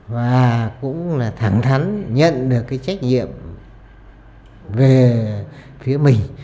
và cũng là thẳng thắn nhận được cái trách nhiệm về phía mình